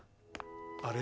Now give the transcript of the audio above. あれ？